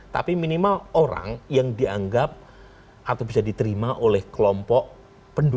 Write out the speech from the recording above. tapi minimal orang yang dianggap atau bisa diterima oleh kelompok pendukung